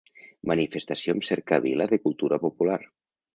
Manifestació amb cercavila de cultura popular.